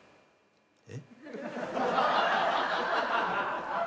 えっ？